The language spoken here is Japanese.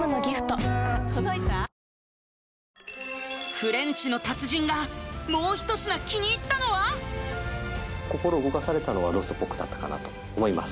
フレンチの達人がもう一品気に入ったのは心動かされたのはローストポークだったかなと思います